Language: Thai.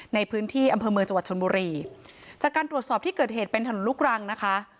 ในพื้นที่อำเภอเมืองจังหวัดชนบุรีจากการตรวจสอบที่เกิดเหตุเป็นถนนลูกรังนะคะ